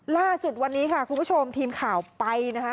ล่าสุดวันนี้ค่ะคุณผู้ชมทีมข่าวไปนะคะ